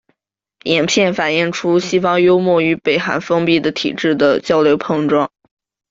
影片反映出西方幽默与北韩封闭的体制的交流碰撞。